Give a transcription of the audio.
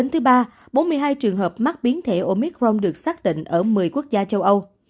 bốn mươi hai trường hợp mắc biến thể omicron được xác định ở một mươi quốc gia châu âu